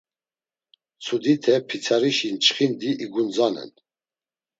Mtsudite pitsarişi çxindi igundzanen.